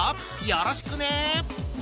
よろしくね！